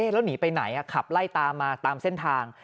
แล้วหนีไปไหนขับไล่ตามมาตามเส้นทาง